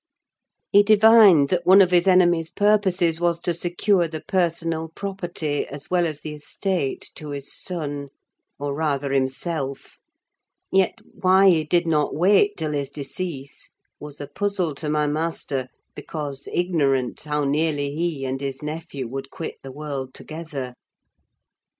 He divined that one of his enemy's purposes was to secure the personal property, as well as the estate, to his son: or rather himself; yet why he did not wait till his decease was a puzzle to my master, because ignorant how nearly he and his nephew would quit the world together.